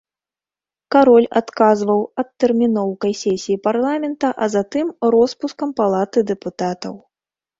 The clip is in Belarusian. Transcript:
Кароль адказваў адтэрміноўкай сесіі парламента, а затым роспускам палаты дэпутатаў.